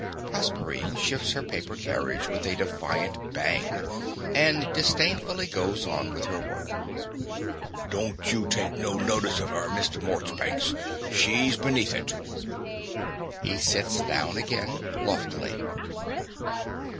(Proserpine shifts her paper carriage with a defiant bang, and disdainfully goes on with her work.) Don't you take no notice of her, Mr. Morchbanks. She's beneath it. (He sits down again loftily.)